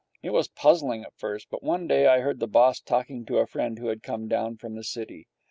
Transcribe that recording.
It was puzzling at first, but one day I heard the boss talking to a friend who had come down from the city.